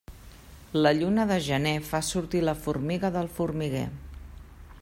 La lluna de gener fa sortir la formiga del formiguer.